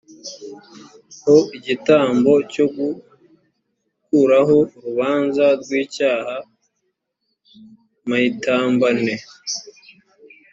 ho igitambo cyo gukuraho urubanza rw icyaha m ayitambane